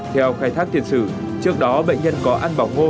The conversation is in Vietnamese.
theo khai thác thiệt sự trước đó bệnh nhân có ăn bỏng ngô